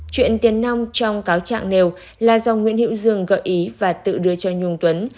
chuyện tiền nông trong cáo trạng nêu là do nguyễn hữu dương gợi ý và tự đưa cho nhung tuấn